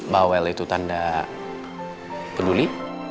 bawel itu tanda peduli